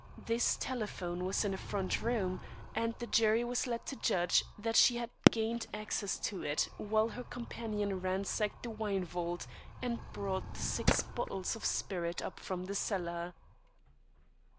This telephone was in a front room and the jury was led to judge that she had gained access to it while her companion ransacked the wine vault and brought the six bottles of spirit up from the cellar.